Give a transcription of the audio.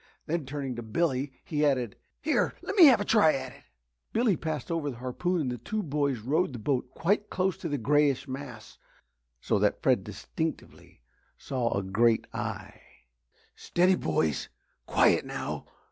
Then turning to Billy, he added, "Here let me have a try at it." Billy passed over the harpoon and the boys rowed the boat quite close to the greyish mass so that Fred distinctly saw a great eye. "Steady boys quiet now!"